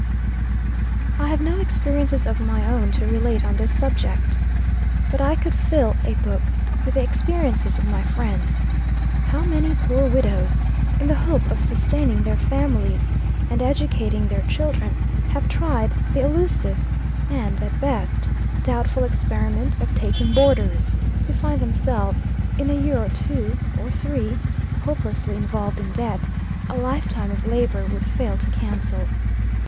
I HAVE no experiences of my own to relate on this subject. But I could fill a book with the experiences of my friends. How many poor widows, in the hope of sustaining their families and educating their children, have tried the illusive, and, at best, doubtful experiment of taking boarders, to find themselves in a year or two, or three, hopelessly involved in debt, a life time of labor would fail to cancel.